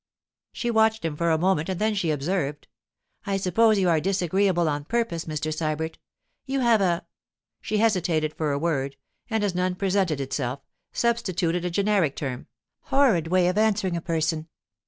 She watched him for a moment and then she observed, 'I suppose you are disagreeable on purpose, Mr. Sybert. You have a—' she hesitated for a word, and as none presented itself, substituted a generic term—'horrid way of answering a person.